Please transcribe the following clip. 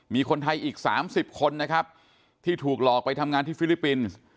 มีคนไทยอีก๓๐คนนะครับที่ถูกหลอกไปทำงานที่ฟิลิปปินส์